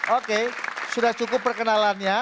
oke sudah cukup perkenalannya